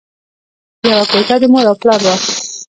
یوه کوټه د مور او پلار وه